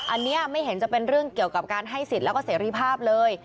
อันนี้ไม่เห็นจะเป็นเรื่องเกี่ยวกับการให้สิทธิ์แล้วก็เสรีภาพเลย